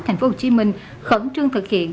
thành phố hồ chí minh khẩn trương thực hiện